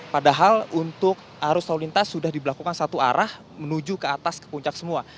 padahal untuk arus lalu lintas sudah diberlakukan satu arah menuju ke atas ke puncak semua